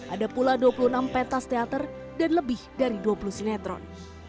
ada pula dua puluh enam petas teater dan lebih dari dua puluh sinetron